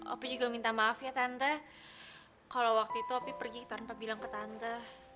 aku juga minta maaf ya tante kalau waktu itu aku pergi tanpa bilang ke tante